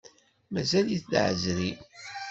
Mazal-it d aɛezri.